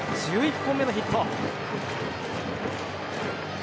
１１本目のヒット。